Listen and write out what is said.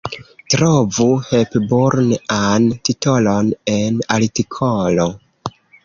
Trovu Hepburn-an titolon en artikolo.